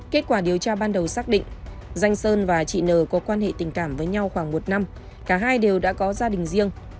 kết quả điều tra ban đầu xác định danh sơn và chị nờ có quan hệ tình cảm với nhau khoảng một năm cả hai đều đã có gia đình riêng